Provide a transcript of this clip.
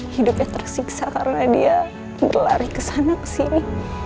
hidupnya tersiksa karena dia berlari kesana kesini